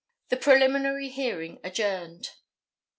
The Preliminary Hearing Adjourned.